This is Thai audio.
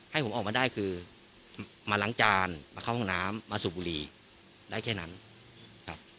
ให้ผมออกมาได้คือมาล้างจานมาเข้าห้องน้ำมาสูบบุหรี่ได้แค่นั้นครับ